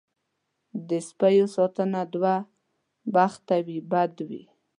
دې سپیو ساتنه دوه بخته وي بد وي.